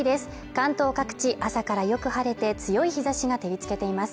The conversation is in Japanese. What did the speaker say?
関東各地朝からよく晴れて強い日差しが照りつけています